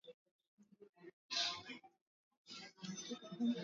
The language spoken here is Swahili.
Kenya ilipata asilimia ya chini zaidi ya sabini na saba